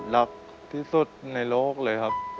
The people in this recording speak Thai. รักที่สุดในโลกเลยครับ